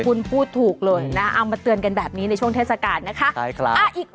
คุณพูดถูกเลยนะเอามาเตือนกันแบบนี้ในช่วงเทศกาลนะคะ